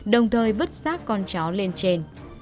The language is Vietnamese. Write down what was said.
đồng thời vứt sát con chó lên trên